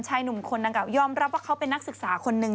หนุ่มคนดังกล่ายอมรับว่าเขาเป็นนักศึกษาคนนึง